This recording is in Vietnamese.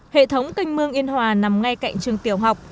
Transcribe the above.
hệ thống canh mương yên hòa nằm ngay cạnh trường tiểu học